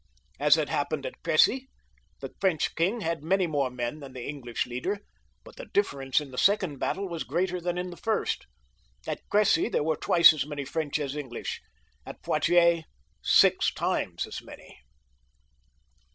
As had happened. at Cressy, the French king had many more men than the English leader, but the difference in the second battle was greater than in the first At Cressy there were twice as many French as English ; at Poitiers six times as many.